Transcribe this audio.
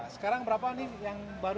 sekarang berapa nih yang baru